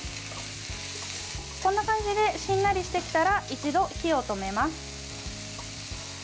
こんな感じでしんなりしてきたら一度火を止めます。